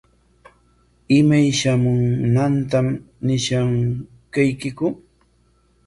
¿Imay shamunanta ñishunqaykiku?